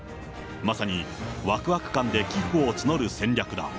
まさに、わくわく感で寄付を募る戦略だ。